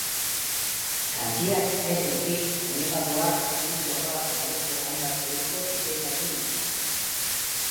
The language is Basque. Jantziak ez ezik, oinetakoak, diru-zorroak eta beste hainbat produktu diseinatu dituzte.